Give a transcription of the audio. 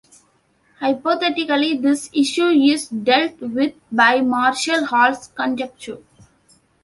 Hypothetically this issue is dealt with by Marshall Hall's conjecture.